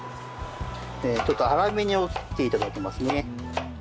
ちょっと粗めに切って頂きますね。